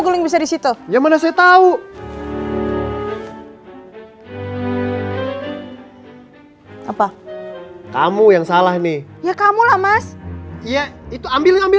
guling bisa di situ yang mana saya tahu apa kamu yang salah nih ya kamu lah mas ya itu ambil ambil